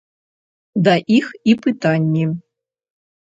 Да іх і пытанні.